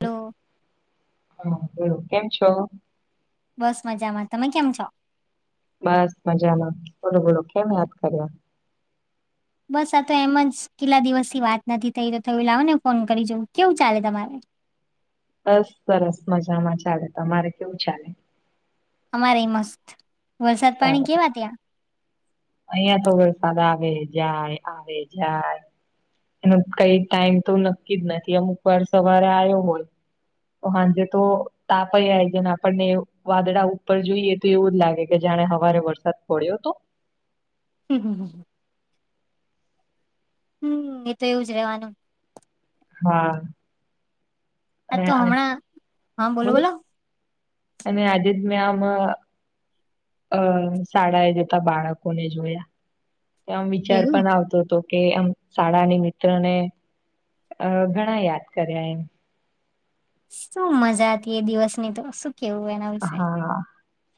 હ હમ બું કેમ છો બસ મજામાં તમે કેમ છો બસ મજામાં થોડું થોડું કેમ યાદ કર્યો બસ આ તો એમ જ કેટલા દિવસથી વાત નથી થઈ તો થયું લાવો ને ફોન કરી જવું કેવું ચાલે તમારે બસ સરસ મજામાં ચાલે તમારે કેવું ચાલે અમારે મસ્ત વરસાદ પાણી સારું કેવા ત્યાં અહિયાં તો વરસાદ આવે જાય આવે જાય એનો કઈ ટાઈમ તો નક્કી જ નથી અમુક વાર સવારે આવ્યો હોય હાજ તો તાપ આઈ છેને આપણને વાદળ ઉપર જોઈએ તો એવું જ લાગે કે જાણે હવારે વરસાદ પડ્યો હતો હમ હમ હમમ હમ એ તો એવું જ રવાનું હા અને તો આ હમણાં બોલો અને આજે જ મે આમ અ શાળા એ જતા બાળકોને જોયા એમ વિચાર એવું પણ આવતો હતો કે આમ શાળાની મિત્રને અ ઘણા યાદ કર્યા એમ શું મજા હતી એ દિવસની તો શ કેવું એના વિશે હા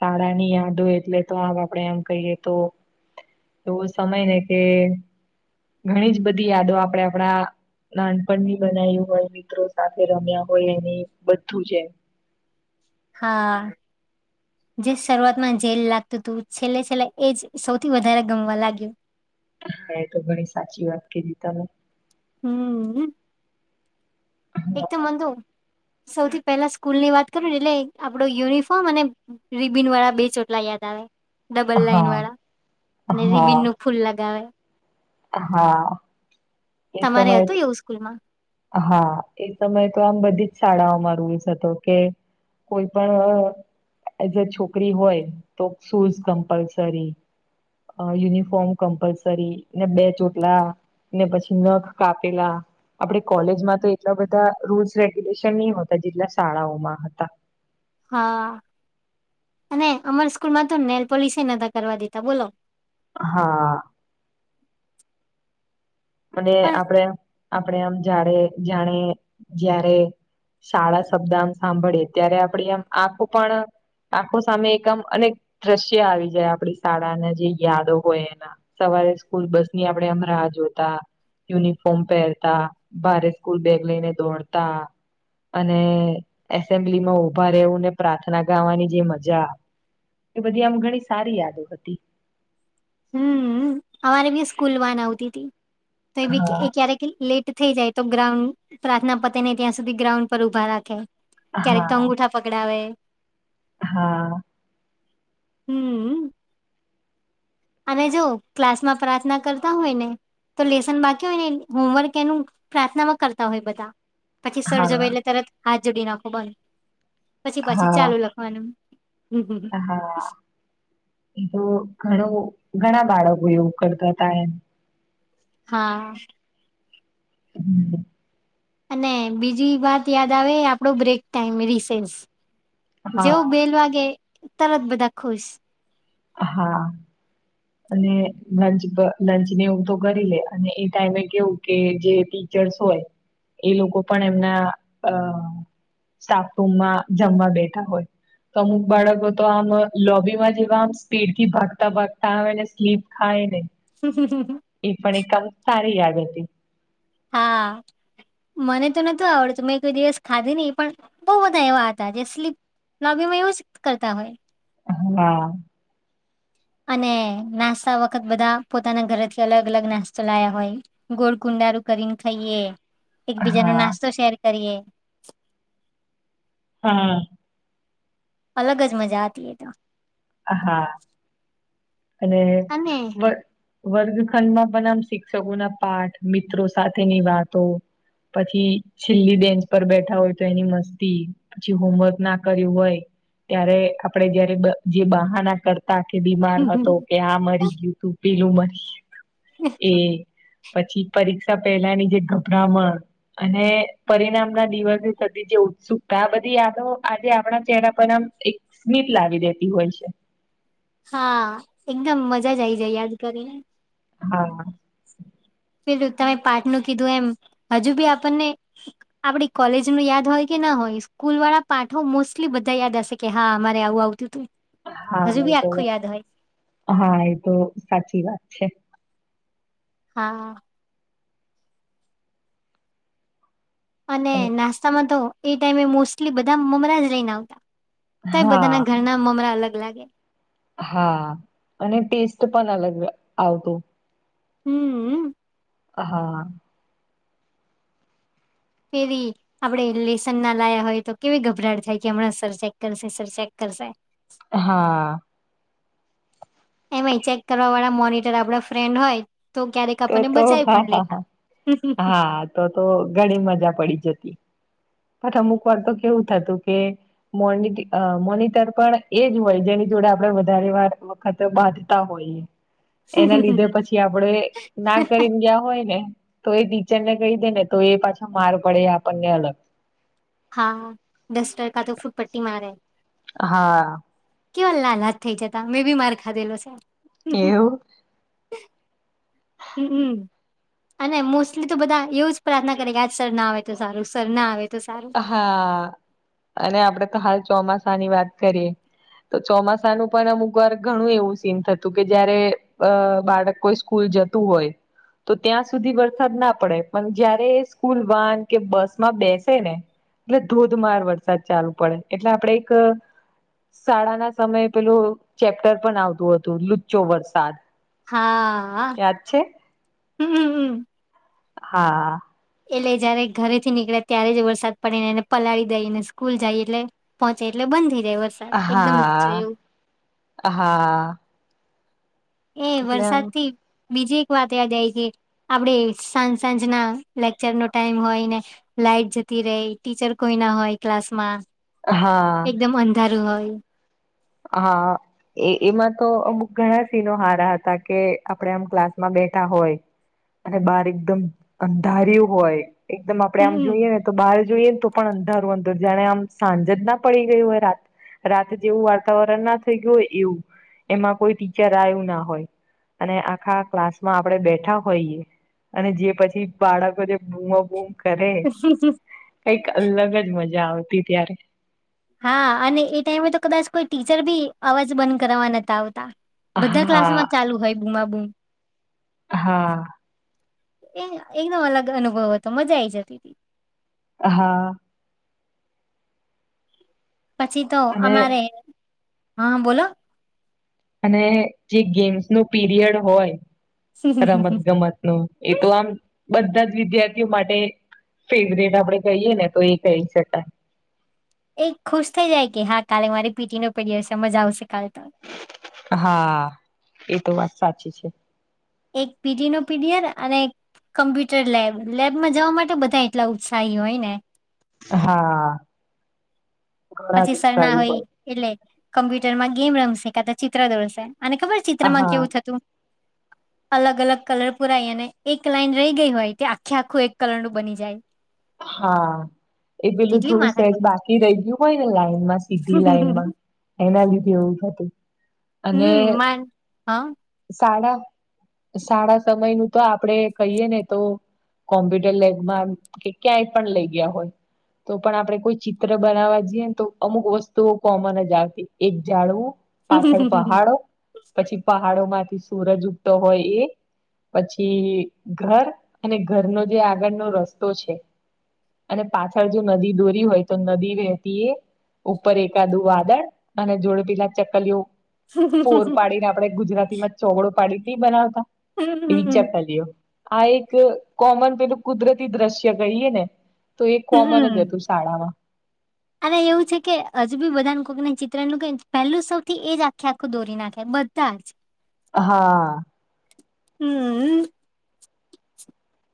શાળા ની યાદ હો એટલે તો આ આપડે એમ કહીએ તો એવો સમય ને કે ઘણી જ બધી યાદો આપણેે આપણા નાનપણની બનાય્યું હોય મિત્રો સાથે રમ્યા હોય એની બધું જમ હા જે શરૂઆતમાં જેલ લાગતું હતું છેલ્લે છેલ્લે એજ સૌથી વધારે ગમવા લાગ્યું તો ઘણી સાચી વાત કધી તમે હમ એક તો મંદુ સૌથી પહેલા સ્કૂલ ની વાત કરું ને એટલે આપડો યુનિફોર્મ અને રિબિન વાળા બે ચોટલા યાદ આવે ડબલ લાઈન હા વાળા અને હા રિબિન નું ફૂલ લગાવે હા એ તમારે સમય હતું એવું સ્કૂલમાં હા એ સમયે તો આમ બધી જ શાળાઓમાં રૂલ્સ હતો કે કોઈ પણ એઝ અ છોકરી હોય તો શૂઝ કમ્પલસરી અ યુનિફોર્મ કમ્પલસરી ને બે ચોટલા ને પછી નખ કાપેલા આપડે કોલેજમાં તો એટલા બધા રૂલ્સ રેગ્યુલેશન ની હોતા જેટલા શાળાઓમાં હતા હા અને અમર સ્કૂલ માં તો નેલપોલસ નતા કરવા દેતા બોલો હા અને પણ આપડે આપડે આમ જાડે જાણે જ્યારે શાળા શબ્દ આમ સાંભળીએ ત્યારે આપડી આમ આખો પણ આખો સામે એક આમ અનેક દ્રશ્ય આવી જાય આપડી શાળાના જે યાદો હોય એના સવારે સ્કૂલ બસ ની આપડે એમ રાહ જો તા યુનિફોર્મ પહેરતા ભારે સ્કૂલ બેગ લઈને દોડતા અને એસેમ્બલી માં ઉભા રહેવુંને પ્રાર્થના ગાવાની જે મજા એ બધી આમ ઘણી સારી યાદો હતી હમ અમારે બી સ્કૂલ વાન આવતી હતી તો એ બી હા ક્યારેક લેટ થઇ જાય તો ગ્રાઉન્ડ પ્રાર્થના પતે ને ત્યાં સુધી ગ્રાઉન્ડ પર ઉભા રાખે ક્યારેક હા અંગુઠા પકડાવે હા. હમ. અને જો ક્લાસમાં પ્રાર્થના કરતા હોય ને તો લેસન બાકી હોય ને એનું હોમવર્ક એનું પ્રાર્થનામાં કરતા હોય બધા. પછી સર જાવે હા એટલે તરત હાથ જોડી આખો બંધ પછી પછી ચાલુ લ હા હન હ હ હા એ તો ઘણું ઘણા બાળકો એવું કરતા હતા એમ. હા. હમ. અને બીજી વાત યાદ આવે આપડો બ્રેક ટાઈમ રિસેન્સ જેવો હા બેલ વાગે તરત બધા ખુશ. હા. અને લંચ બ લંચ ને એવું તો કરી લે અને એ ટાઈમે કેવું કે જે ટી જળસ હોય એ લોકો પણ એમના અ સ્ટાપરૂમમાં જમવા બેઠા હોય. તો અમુક બાળકો તો આમ લોબી માં જેવા આમ સ્પીડથી ભાગતા ભાગતા આવે ને સ્લીપ ખાય ને. [unintelligible] એ પણ એકમ સારી યાદ હતી. હા. મને તો નતુ આવડતું મેં કોઈ દિવસ ખાધી નહીં પણ બોઉ બધા એવા હતા જે સ્લી લોભીમાં એવું જ કરતા હોય. હા. અને નાસ્તા વખત બધા પોતાના ઘરેથી અલગ અલગ નાસ્તો લાયા હોય. ગોળ કુંડારું કરીને ખાઈએ. એકબીજા નું હા નાસ્તો શેર કરીએ. હા. અલગ જ મજા હતી એ તો. હા અને અને વર્ગખંડમાં પણ આમ શિક્ષકોના પાઠ મિત્રો સાથેની વાતો પછી છેલ્લી બેન્ચ પર બેઠા હોય તો એની મસ્તી. પછી હોમવર્ક ના કર્યું હોય ત્યારે આપડે જયારે બ જે બહાનાં કરતા કે બીમાર હતો કે આ મરી ગયું હતું, પેલું મરી ગયું. એ પછી પરીક્ષા પહેલાની જે ગભરામણ. અને પરિણામના દિવસે થતી જે ઉત્સુકતા આ બધી યાદો આજે આપણા ચેહરા પર આમ એ સ્મિત લાવી દેતી હોય છે. હા એકદમ મજા જ આઈ જાય યાદ કરીને. હા. પેલું તમે પાઠનું કીધું એમ હજુ બી આપણને આપડી કોલેજનું યાદ હોય કે ન હોય સ્કૂલવાળા પાઠો મોસ્ટલી બધા યાદ હશે કે હા અમારે આવું આવું તું તુ. હા એ તો હા એ તો સાચી વાત છે. હા. અને નાસ્તામાં તો એ ટાઈમે મોસ્ટલી બધા મમરા જ લઈને આવતાં. તોય હા બધાનાં ઘરનાં મમરા અલગ લાગે. હા અને ટેસ્ટ પણ અલગ આવતો. હમ્મ. હા. ફેવી આપડે લેશન ના લાયા હોય તો કેવી ઘભરાહટ થાય કે અમણાં સર ચેક કરશે સર ચેક કરશે. હા. એમાં ચેક કરવાવાળા મોનિટર આપડા ફ્રેન્ડ હોય તો ક્યારેક આપણને તોતો હ બચાવી પણ હ લેતા હા તો તો ઘણી મજા પડી જતી. પણ અમુકવાર તો કેવું થતું કે મોનિ મોનિટર પણ એજ હોય જેની જોડે આપડે વધારે વાર વખતે બાંધતા હોય એના લીધે પછી આપણેે ના કરીએ ન ગયા હોય ને તો એ ટીચરને કહી દે ને તો એ પાછા માર પડે આપણને એ અલગ. હા ડસ્ટર કા તો ફૂટપટ્ટી મારે. હા. કેવા લાલ હાથ થઈ જતા મેં બી માર ખાધેલો છે. એવું? હમ્મ હમ્મ. અને મોસ્ટલી તો બધાં એવું જ પ્રાર્થના કરે કે આજ સર ના આવે તો સારું સર ના આવે તો સારું. હા અને આપડે તો હાલ ચોમાસાની વાત કરીએ. તો ચોમાસાનું પણ અમુકવાર ઘણું એવું સીન થતું કે જયારે અ બાળક કોઈ સ્કૂલ જ તું હોય. તો ત્યાં સુધી વરસાદ ના પડે પણ જયારે સ્કૂલ વાન કે બસમાં બેસ ને એટલે ધોધમાર વરસાદ ચાલુ પડે એટલે આપડે એક શાળાના સમયે પેલું ચેપ્ટર પણ આવતું હતું લુચ્ચો વરસાદ. હા યાદ છે હમ્મ. હા. એટલે જયારે એ ઘરેથી નીકળે ત્યારે જ વરસાદ પડે ને એને પલાળી દેય ને એ સ્કૂલ જાય એટલે પહોંચે એટલે બંધ થઈ જાય વરસ હા હા. એ એટલે એમ વરસાદથી બીજી એક વાત યાદ આઈ ગઈ. આપડે સાંજ સાંજના લેકચરનો ટાઈમ હોય ને લાઈટ જતી રેય ટીચર કોઈ ના હોય ક્લાસમાં. હા એકદમ અંધારું હોય. હા. એ એમાં તો અમુક ઘણા સીનો હારા હતાં કે આપણે આમ ક્લાસમાં બેઠા હોય અને બાર એકદમ અંધાર્યું હોય એકદમ આપડે આમ હમ જોઈએ ને તો બહાર જોઈએ ને તો પણ અંધારું અંદર જાણે આમ સાંજ જ ના પડી ગઈ હોય રાત રાતે જેવું વાર્તાવરણ ના થઈ ગયું હોય એવું એમાં કોઈ ટીચર આવું ના હોય. અને આખા ક્લાસમાં આપણે બેઠા હોઈએ અને જે પછી બાળકો જે બુમા બૂમ કરે કઈક અલગ જ મજા આવતી ત્યારે. હા અને એ ટાઈમે તો કદાચ કોઈ ટીચર બી અવાજ બંધ કરવાવા નતા આવતા. બધા હા ક્લાસમાં ચાલુ હોય બુમા બૂમ. હા. એ એકદમ અલગ અનુભવ હતો મજા આઈ જતી હતી. હા. પછી તો અને અમારે હા બોલો. અને જે ગેમ્સ નો પીરિયડ હોય રમત ગમત નું એ તો આમ બધા જ વિદ્યાર્થીઓ માટે ફેવરેટ આપડે કહીયએ ને તો એ કહી શકાય. એ ખુશ થઈ જાય કે હા કાલે મારી પીટી નો પિરિયડ સમજ આવશે કાલ તો હા એતો વાત સાચી છે. એક પીટી નો પીડિયર અને કમ્પ્યુટર લેબ લેબમાં જવા માટે બધા એટલા ઉત્સાહી હોય ને હા. ઘણા પછી જ સર ના ઉત્સાહી હોય એટલે કમ્પ્યુટરમાં ગેમ રમશે કા તો ચિત્ર દોડશે અને ખબર હોય ચિત્રમાં કેવું થ. હા તો. અલગ અલગ કલર પુરાય અને એક લાઈન રહી ગઈ હોય તે આખે આખું એક કલર નું બની જાય. [unintelligible] હા એ પેલું કેટલી થોડું સહેજ માથાકૂટ બાકી રહ્યું હોય ને લાઈનમાં સીધી લાઈનમાં એના લીધે એવું હતું અને હમ માન હા શાળા શાળા સમય નું તો આપણેે કહીય ને તો કોમ્પ્યુટર લેબમાં કે ક્યાંય પણ લઈ ગયા હોય. તો પણ આપણે કોઈ ચિત્ર બનાવવા જઈએ ને તો અમુક વસ્તુઓ કોમન જ આવતી એક જાડવું પાછળ પહાડો પછી પહાડોમાંથી સૂરજ ઉગતો હોય એ પછી ઘર અને ઘરનો જે આગળનો રસ્તો છે. અને પાછળ જો નદી દોરી હોય તો નદી વેતી એ. ઉપર એકાદું વાદળ અને જોડે પેલા ચકલીઓ ફોર પાડીને આપડણે ગુજરાતી માં ચોગડો પાડી ની બનાવતા. એ ચકલીઓ આ એક કોમન પેલું કુદરત એ દ્રશ્ય કહીએ ને તો એ કોમન જ હતું શાળામાં અને એવું છે કે હજુ બી બધાને કોકના ચિત્રનું પહેલું સૌથી એજ આખે આખું દોરી નાખે બધા જ. હા. હમ.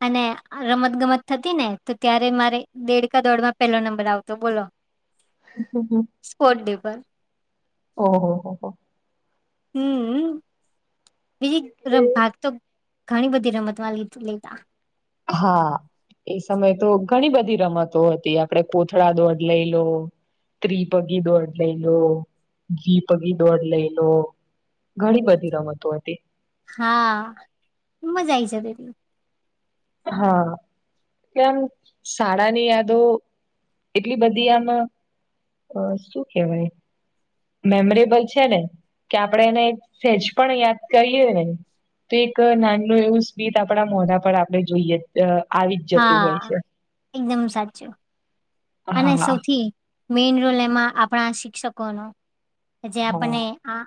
અને રમત ગમત થતી ને તો ત્યારે મારે દેડકા દોડમાં પેલો નંબર આવતો બોલો [unintelligible] હમ હમ. સ્પોર્ટ ડે પર. ઓહ હો હો. હમ બીજ તરફ ભાગ તો. ઘણી બધી રમતવાલ ની લેતા. હા. એ સમય તો ઘણી બધી રમતો હતી આપડે કોથળા દોડ લઈ લો ત્રી પગી દોડ લઈ લો ઘી પગી દોડ લઈ લો. ઘણી બધી રમતો હતી. હા મજા આઇ જાય મને બી. હા કેમ શાળાની યાદો એટલી બધી આમ અ શું કેવાય મેમોરેબલ છે ને કે આપણે એને સેજ પણ યાદ કરીએ ને તો એક નાનનું એવું સ્મિત આપણા મોઢા પર આપણે જોઈએ આવી જ જતું હોય હા છે એકદમ સાચું અને હા સૌથી મેન રોલ એમાં આપણા શિક્ષકોનો જે હા આપણને આ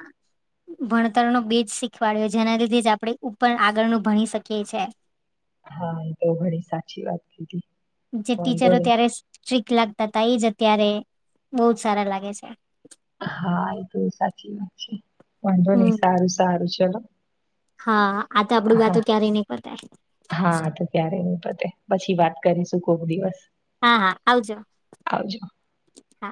ભણતર નો બેજ શીખવાડ્યો જેના લીધે જ આપડણે ઉપર આગળનું ભણી શકીએ છીએ હા એ તો ઘણી સાચી વાત કીધી જે વાંધો ટીચરો નહી ત્યારે સ્ટ્રિક્ટ લાગતા હતા એ જ અત્યારે બહુજ સારા લાગે છે હા એ તો સાચી વાત છે વાંધો નહિ હમ સારું સારું ચલો હા આ તો આપડું વાતો હા ક્યારેય નહી પતાય હા તો ક્યારે નહી પતે પછી વાત કરીશું કોક દિવસ હા હા આવજો આવજો હા.